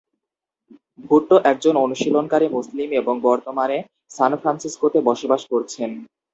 ভুট্টো একজন অনুশীলনকারী মুসলিম এবং বর্তমানে সান ফ্রান্সিসকোতে বসবাস করছেন।